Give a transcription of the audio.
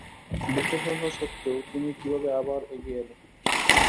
বিফল হওয়া সত্ত্বেও তুমি কীভাবে আবার এগিয়ে গেলে?